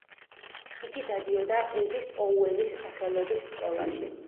იგი დადიოდა ელის ოუენის სახელობის სკოლაში.